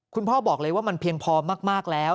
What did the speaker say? คุณพ่อบอกเลยว่ามันเพียงพอมากแล้ว